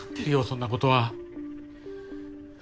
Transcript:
そんなことは。